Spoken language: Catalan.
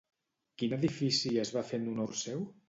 Quin edifici es va fer en honor seu?